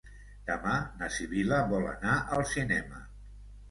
Demà na Sibil·la vol anar al cinema.